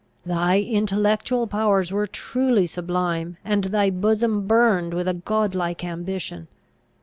Thy intellectual powers were truly sublime, and thy bosom burned with a god like ambition.